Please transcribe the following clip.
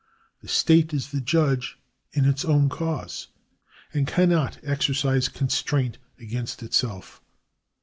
The state is the judge in its own cause, and cannot exercise constraint against itself.